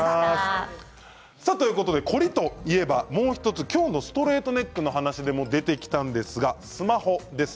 凝りといえばもう１つ今日のストレートネックの話でも出てきたスマホです。